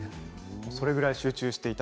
それぐらい集中していて。